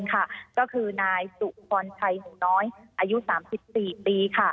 ก็คือนายสุพรชัยหนูน้อยอายุ๓๔ปี